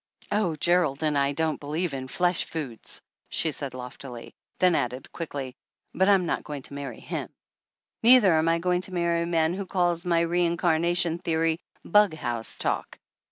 "Oh, Gerald and I don't believe in flesh foods!" she said loftily, then added quickly, "but I'm not going to marry him. Neither am I going to marry a man who calls my reincarna tion theory 'bug house talk.'